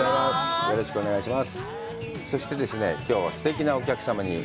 よろしくお願いします。